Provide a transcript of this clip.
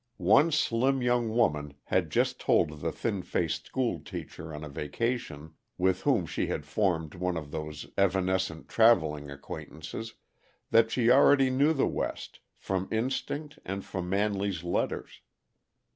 One slim young woman had just told the thin faced school teacher on a vacation, with whom she had formed one of those evanescent traveling acquaintances, that she already knew the West, from instinct and from Manley's letters.